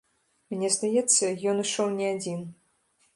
Мне здаецца, ён ішоў не адзін.